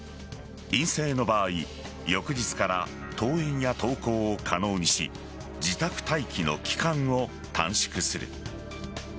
陰性の場合、翌日から登園や登校を可能にし自宅待機の期間を短縮する。